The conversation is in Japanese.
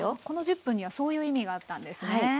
この１０分にはそういう意味があったんですね。